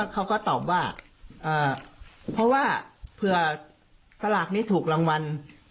เขาก็ตอบว่าเผื่อสลากไม่ถูกรางวัล